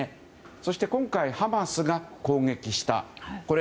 そして、今回ハマスが攻撃した。